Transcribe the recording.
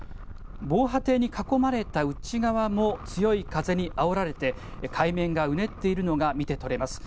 防波堤に囲まれた内側も、強い風にあおられて、海面がうねっているのが見て取れます。